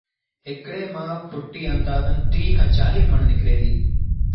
هڪڙي مآݩ ڦُٽيٚ آݩدآزن ٽيٚه کآݩ چآليٚه مڻ نڪري ديٚ